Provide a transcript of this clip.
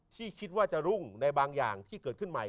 ที่คิดว่าจะรุ่งในบางอย่างที่เกิดขึ้นใหม่